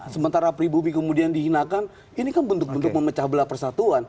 sementara pribumi kemudian dihinakan ini kan bentuk bentuk memecah belah persatuan